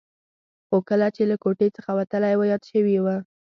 خو کله چې له کوټې څخه وتلی و یاد شوي یې و.